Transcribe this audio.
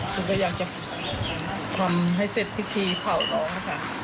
หนูก็อยากจะทำให้เสร็จพิธีเผาน้องค่ะ